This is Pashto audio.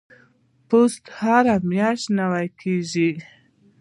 پوست هره میاشت نوي کیږي.